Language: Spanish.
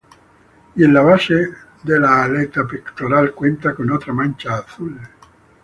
Y en la base de la aleta pectoral, cuenta con otra mancha azul.